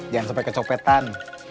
jangan sampai kecopetan